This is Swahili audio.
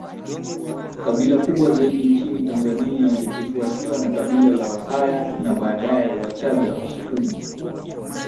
kabila kubwa zaidi nchini Tanzania likifuatiwa na Kabila la Wahaya na baadae WachaggaWasukuma